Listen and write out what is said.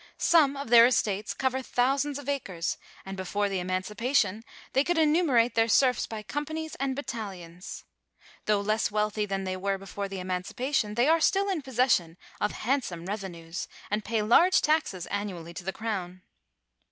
Some of their estates cover thousands of acres, and before the emancipa tion they could enumerate their serfs by companies and battalions. Though less wealthy than they were before the emancipation, they are still in possession of handsome revenues, and pay large taxes annually to the crown.